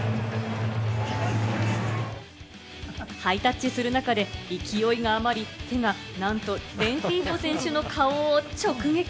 ハイタッチする中で勢いがあまり、手がなんとレンヒーフォ選手の顔を直撃。